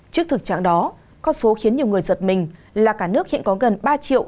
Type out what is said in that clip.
trước thực trạng đó con số khiến nhiều người giật mình là cả nước hiện có gần ba triệu